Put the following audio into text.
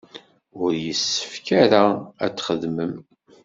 Ur yessefk ara ad txedmem.